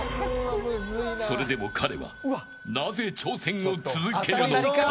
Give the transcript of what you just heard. それでも彼はなぜ挑戦を続けるのか。